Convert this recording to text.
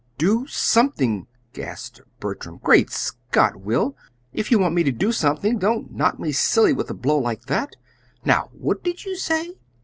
"'Do something'!" gasped Bertram. "Great Scott, Will! If you want me to do something, don't knock me silly with a blow like that. Now what did you say?"